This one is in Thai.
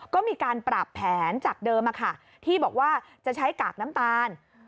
ก็มีการปรับแผนจากเดิมที่บอกว่าจะใช้กากน้ำตาล